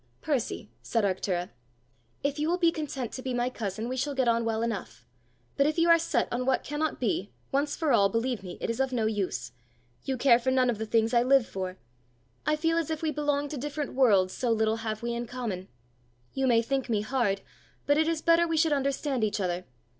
"Percy," said Arctura, "if you will be content to be my cousin, we shall get on well enough; but if you are set on what cannot be once for all, believe me, it is of no use. You care for none of the things I live for! I feel as if we belonged to different worlds, so little have we in common. You may think me hard, but it is better we should understand each other.